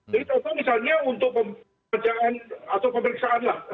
jadi contoh misalnya untuk pemerjaan atau pemeriksaan lah